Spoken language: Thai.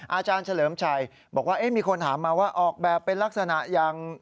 อาจารย์เฉลิมชัยบอกว่ามีคนถามมาว่าออกแบบเป็นลักษณะอย่าง